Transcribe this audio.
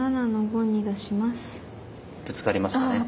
ぶつかりましたね。